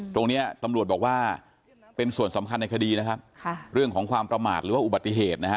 ตรงนี้ตำรวจบอกว่าเป็นส่วนสำคัญในคดีนะครับเรื่องของความประมาทหรือว่าอุบัติเหตุนะฮะ